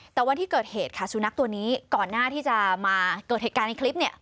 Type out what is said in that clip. แต่วันที่เกิดเหตุค่ะสุนัขตัวนี้ก่อนหน้าที่จะมาเกิดเหตุการณ์ในคลิปเนี่ย